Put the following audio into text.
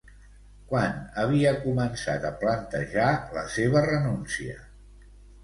Quan havia començat a plantejar la seva renúncia?